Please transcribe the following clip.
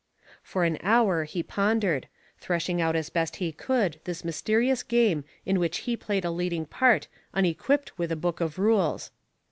For an hour he pondered, threshing out as best he could this mysterious game in which he played a leading part unequipped with a book of rules.